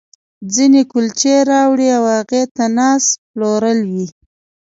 ځينې کُلچې راوړي او هغې ته ناست، پلورل یې.